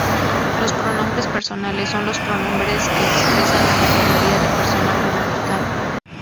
Los pronombres personales son los pronombres que expresan la categoría de persona gramatical.